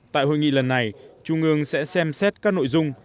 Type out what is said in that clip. tại hội nghị lần này trung ương sẽ xem xét các nội dung